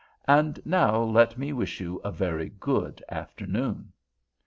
And now let me wish you a very good afternoon."